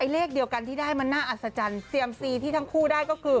เลขเดียวกันที่ได้มันน่าอัศจรรย์เซียมซีที่ทั้งคู่ได้ก็คือ